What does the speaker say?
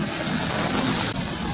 kota yang terkenal dengan